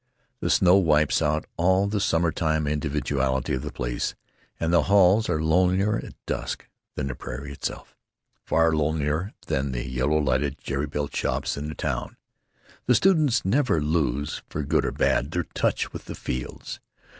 The snow wipes out all the summer time individuality of place, and the halls are lonelier at dusk than the prairie itself—far lonelier than the yellow lighted jerry built shops in the town. The students never lose, for good or bad, their touch with the fields.